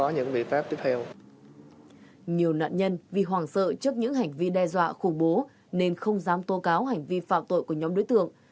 nhiều nạn nhân vì hoàng sợ trước những hành vi đe dọa khủng bố nên không dám tố cáo hành vi phạm tội của nhóm đối tượng